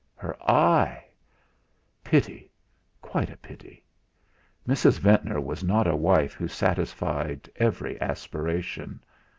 Her eye! Pity quite a pity! Mrs. Ventnor was not a wife who satisfied every aspiration.